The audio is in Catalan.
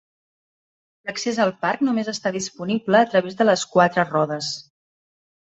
L'accés al parc només està disponible a través de les quatre rodes.